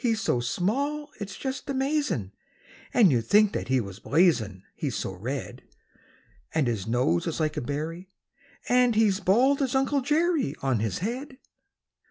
"] He's so small, it's just amazin', And you 'd think that he was blazin', He's so red; And his nose is like a berry, And he's bald as Uncle Jerry On his head.